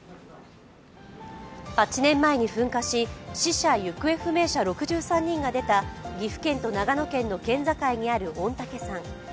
８年前に噴火し、死者・行方不明者６３人が出た岐阜県と長野県の県境にある御嶽山。